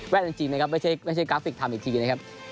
จริงนะครับไม่ใช่กราฟิกทำอีกทีนะครับ